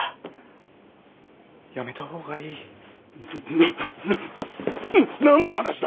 なな何の話だ！